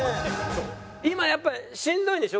今やっぱしんどいんでしょ？